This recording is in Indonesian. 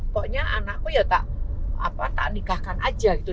pokoknya anakku ya tak nikahkan aja gitu